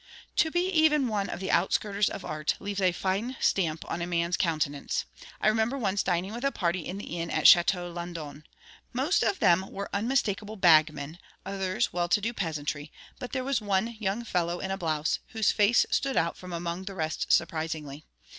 To be even one of the outskirters of art, leaves a fine stamp on a man's countenance. I remember once dining with a party in the inn at Château Landon. Most of them were unmistakable bagmen; others well to do peasantry; but there was one young fellow in a blouse, whose face stood out from among the rest surprisingly.